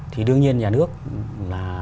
thì đương nhiên nhà nước là